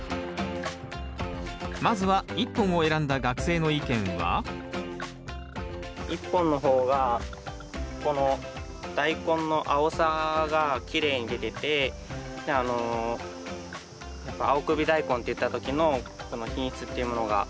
まずは１本を選んだ学生の意見は１本の方がこのダイコンの青さがきれいに出ててやっぱ青首ダイコンって言った時の品質っていうものが分かるのかな。